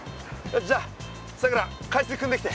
じゃあさくら海水くんできて。